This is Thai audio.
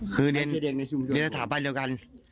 คือเด็กในชุมชนเดี๋ยวสถาบันเดียวกัน